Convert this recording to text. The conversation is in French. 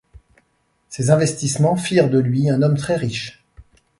Ces investissements firent de lui un homme très riche.